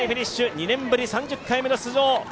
２年ぶり３０回目の出場。